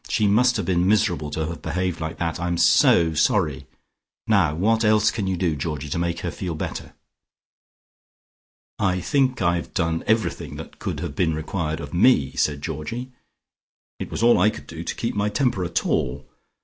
"She must have been miserable to have behaved like that! I am so sorry. Now what else can you do, Georgie, to make her feel better?" "I think I've done everything that could have been required of me," said Georgie. "It was all I could do to keep my temper at all.